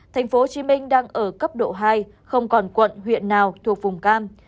tp hcm đang ở cấp độ hai không còn quận huyện nào thuộc vùng cam